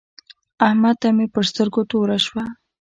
احمد ته مې پر سترګو توره شوه.